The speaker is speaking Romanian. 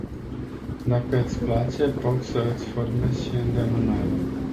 Dacă îți place, poti să îți formezi și îndemânarea.